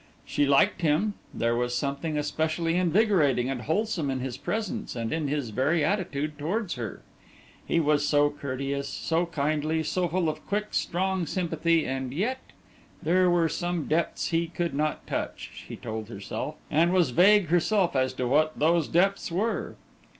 She liked him, there was something especially invigorating and wholesome in his presence and in his very attitude towards her. He was so courteous, so kindly, so full of quick, strong sympathy and yet there were some depths he could not touch, she told herself, and was vague herself as to what those depths were.